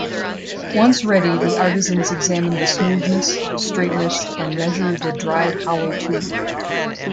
Once ready, the artisans examine the smoothness, straightness, and measure the dried hollow tube.